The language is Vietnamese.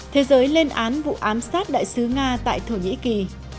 thế giới lên án vụ ám sát đại sứ nga tại thổ nhĩ kỳ